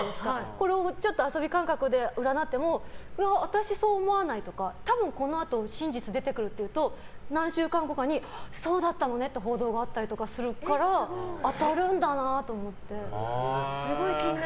それをちょっと遊び感覚で占ってもいや、私そう思わないとか多分このあと真実でてくるって言うと何週間後かにそうだったのねっていう報道があったりするから当たるんだなと思って。